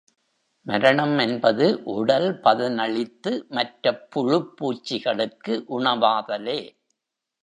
மரணம் என்பது உடல் பதனழித்து மற்றப் புழுப் பூச்சிகளுக்கு உணவாதலே.